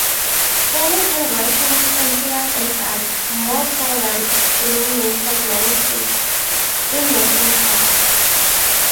Chinese handwriting is considered an art, more so than illuminated manuscripts in Western culture.